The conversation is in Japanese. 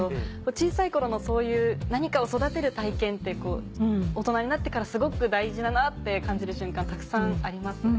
小さい頃のそういう何かを育てる体験って大人になってからすごく大事だなって感じる瞬間たくさんありますね。